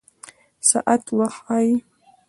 ساعت وخت ښيي